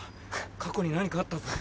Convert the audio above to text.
過去に何かあったぞ。